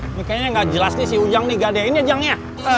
ini kayaknya ga jelas nih si ujang nih gadein aja ujangnya